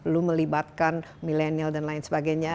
lu melibatkan milenial dan lain sebagainya